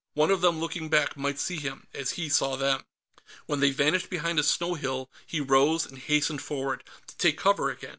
One of them, looking back, might see him, as he saw them. When they vanished behind a snow hill, he rose and hastened forward, to take cover again.